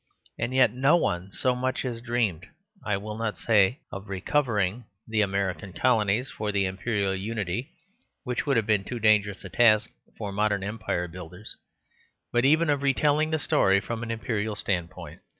And yet no one so much as dreamed, I will not say of recovering, the American colonies for the Imperial unity (which would have been too dangerous a task for modern empire builders), but even of re telling the story from an Imperial standpoint.